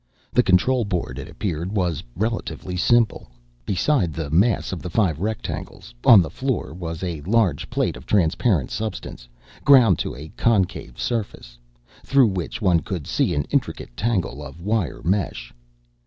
The control board, it appeared, was relatively simple. Beside the mass of the five rectangles, on the floor, was a large plate of transparent substance, ground to a concave surface, through which one could see an intricate tangle of wire mesh.